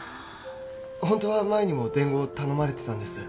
ホントは前にも伝言頼まれてたんです